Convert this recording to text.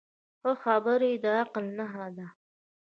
ښه خبرې د عقل نښه ده